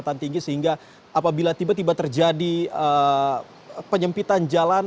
kemacetan tinggi sehingga apabila tiba tiba terjadi penyempitan jalan